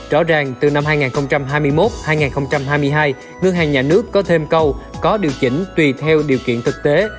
rõ ràng từ năm hai nghìn hai mươi một hai nghìn hai mươi hai ngân hàng nhà nước có thêm câu có điều chỉnh tùy theo điều kiện thực tế